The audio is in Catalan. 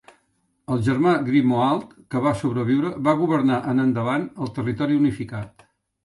El germà Grimoald, que va sobreviure, va governar en endavant el territori unificat.